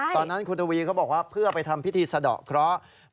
ตอนนั้นคุณทวีเขาบอกว่าเพื่อไปทำพิธีสะดอกเคราะห์